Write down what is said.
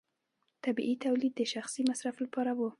طبیعي تولید د شخصي مصرف لپاره و.